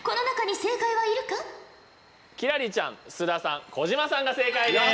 輝星ちゃん須田さん小島さんが正解です。